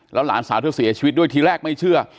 หลานสาวเธอเสียชีวิตด้วยทีแรกไม่เชื่อ